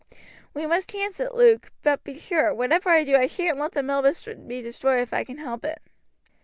"We must chance it, Luke; but be sure, whatever I do I shan't let the mill be destroyed if I can help it."